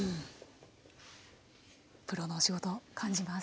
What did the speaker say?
プロのお仕事感じます。